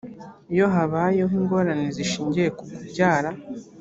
iyo habayeho ingorane zishingiye ku kubyara